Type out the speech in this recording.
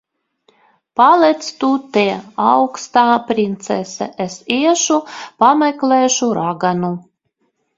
Paliec tu te, augstā princese. Es iešu pameklēšu raganu.